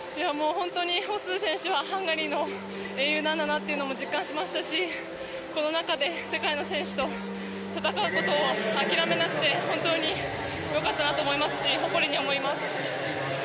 本当にホッスー選手はハンガリーの英雄なんだなというのも実感しましたしこの中で世界の選手と戦うことを諦めなくて本当によかったなと思いますし誇りに思います。